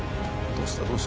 どうした？